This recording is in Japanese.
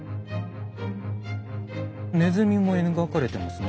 ネズミも描かれてますね。